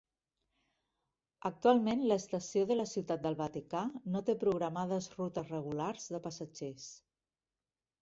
Actualment, l'estació de la Ciutat del Vaticà no té programades rutes regulars de passatgers.